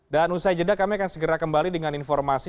dan usai jeda kami akan segera kembali dengan informasi